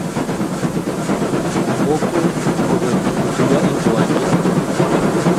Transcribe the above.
Kokwee kobek kotuyo eng kiwanchee